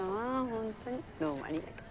ほんとにどうもありがとう。